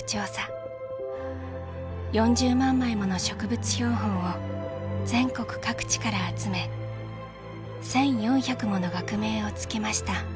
４０万枚もの植物標本を全国各地から集め１，４００もの学名を付けました。